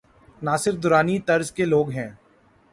ناصر درانی طرز کے لو گ ہوں۔